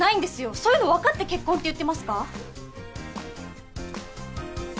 そういうのわかって結婚って言ってますか？